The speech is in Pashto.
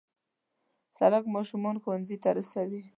سړک ماشومان ښوونځي ته رسوي.